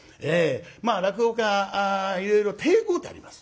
まあ落語家いろいろ亭号ってあります。